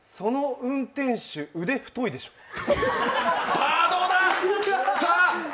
さあ、どうだ！？